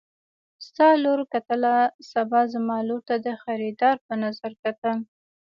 نن ستا لور کتله سبا زما لور ته د خريدار په نظر کتل.